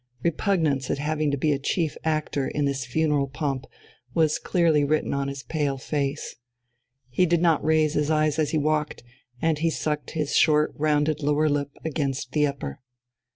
Repugnance at having to be chief actor in this funeral pomp was clearly written on his pale face. He did not raise his eyes as he walked, and he sucked his short rounded lower lip against the upper....